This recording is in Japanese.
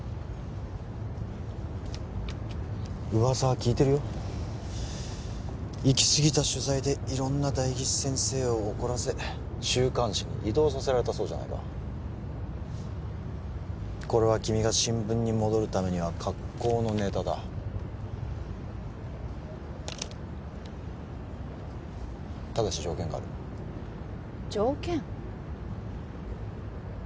噂は聞いてるよ行き過ぎた取材で色んな代議士先生を怒らせ週刊誌に異動させられたそうじゃないかこれは君が新聞に戻るためには格好のネタだただし条件がある条件？